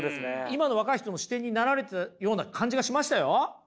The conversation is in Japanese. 今の若い人の視点になられてたような感じがしましたよ！